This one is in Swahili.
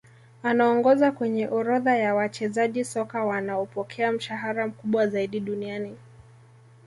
Anaongoza kwenye orodha ya wachezaji soka wanaopokea mshahara mkubwa zaidi duniani